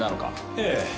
ええ。